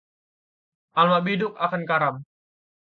Alamat biduk akan karam